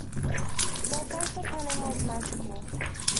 The effect upon him was magical.